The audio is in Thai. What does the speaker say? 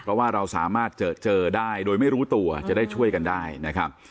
เพราะว่าเราสามารถเจอได้โดยไม่รู้ตัวจะได้ช่วยกันได้นะครับ